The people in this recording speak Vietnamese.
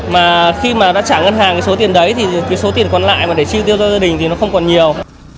mà khi mà đã trả ngân hàng cái số tiền đấy thì cái số tiền còn lại mà để chi tiêu cho gia đình thì nó không còn nhiều